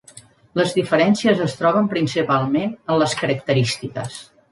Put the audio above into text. Les diferències es troben principalment en les característiques.